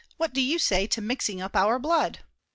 What do you say to mixing up our blood?